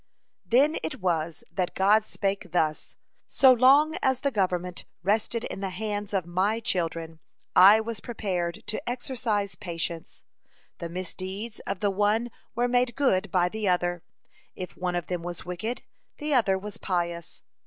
Then it was that God spake thus: "So long as the government rested in the hands of My children, I was prepared to exercise patience. The misdeeds of the one were made good by the other. If one of them was wicked, the other was pious.